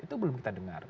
itu belum kita dengar